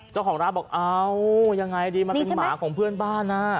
เจ้าของร้านบอกเอ้ายังไงดีมันเป็นหมาของเพื่อนบ้านอ่ะ